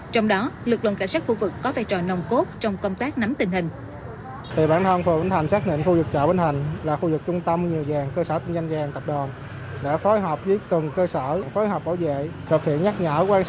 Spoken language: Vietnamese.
trong đó lực lượng cảnh sát khu vực có vai trò nồng cốt trong công tác nắm tình hình